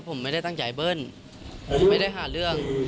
ผมไม่ได้ตั้งใจเบิ้ลไม่ได้หาเรื่อง